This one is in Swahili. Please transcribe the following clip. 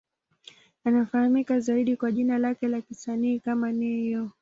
Anafahamika zaidi kwa jina lake la kisanii kama Ne-Yo.